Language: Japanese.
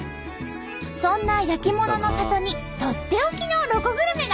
そんな焼き物の里にとっておきのロコグルメが。